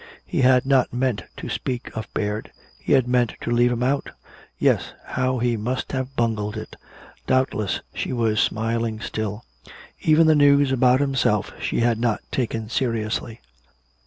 He had not meant to speak of Baird he had meant to leave him out! Yes, how he must have bungled it! Doubtless she was smiling still. Even the news about himself she had not taken seriously.